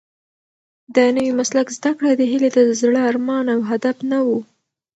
د نوي مسلک زده کړه د هیلې د زړه ارمان او هدف نه و.